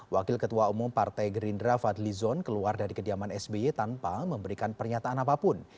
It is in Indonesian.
wakil ketua umum partai gerindra fadli zon keluar dari kediaman sby tanpa memberikan pernyataan apapun